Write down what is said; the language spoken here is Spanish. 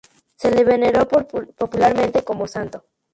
Se le veneró popularmente como santo.